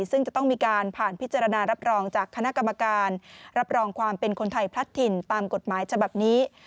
ซึ่งจะต้องมีการผ่านพิจารณารับรองจากคณะกรรมการรับรองความเป็นคนไทยพลัดถิ่นตามกฎหมายฉบับนี้